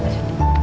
aduh kaki aku